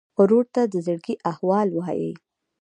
ورور ته د زړګي احوال وایې.